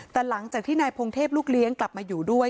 แต่หลังจากที่นายพงเทพลูกเลี้ยงกลับมาอยู่ด้วย